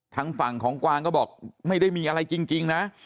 ทางฝั่งของกวางก็บอกไม่ได้มีอะไรจริงนะ